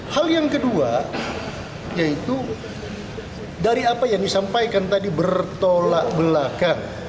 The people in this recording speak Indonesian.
hal yang kedua yaitu dari apa yang disampaikan tadi bertolak belakang